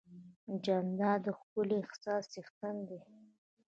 جانداد د ښکلي احساس څښتن دی.